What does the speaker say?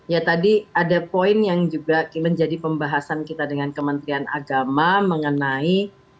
ya tadi ada poin yang juga menjadi pembahasan kita dengan kementerian agama mengenai